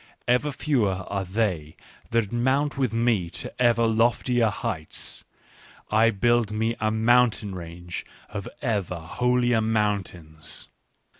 Ever fewer are they that mount with me to ever loftier heights. I build me a mountain range of ever holier mountains."